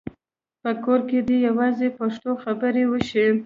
په کور کې دې یوازې پښتو خبرې وشي.